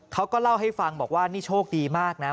เขาก็เล่าให้ฟังบอกว่านี่โชคดีมากนะ